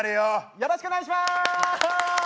よろしくお願いします！